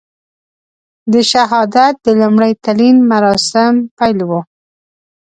د شهادت د لومړي تلین مراسم پیل وو.